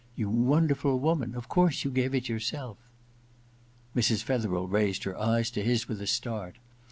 You wonder ful woman, of course you gave it yourself !* Mrs. Fetherel raised her eyes to his with a start.